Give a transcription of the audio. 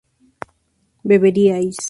beberíais